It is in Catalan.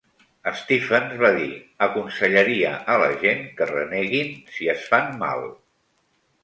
Stephens va dir "aconsellaria a la gent que reneguin, si es fan mal".